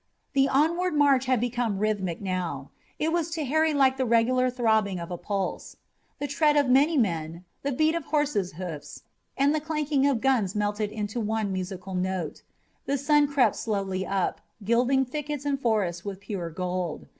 The onward march had become rhythmic now. It was to Harry like the regular throbbing of a pulse. The tread of many men, the beat of horses' hoofs, and the clanking of guns melted into one musical note. The sun crept slowly up, gilding thickets and forests with pure gold.